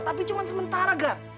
tapi cuma sementara gar